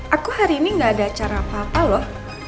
aku hari ini gak ada acara apa apa loh